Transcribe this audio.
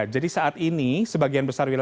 dua januari dua ribu dua puluh tiga